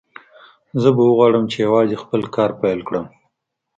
زه به وغواړم چې یوازې خپل کار پیل کړم